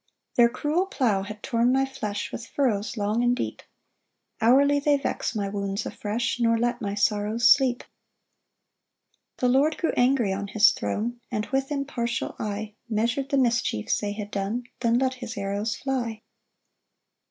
3 Their cruel plough had torn my flesh With furrows long and deep, Hourly they vex my wounds afresh, Nor let my sorrows sleep. 4 The Lord grew angry on his throne, And with impartial eye Measur'd the mischiefs they had done Then let his arrows fly.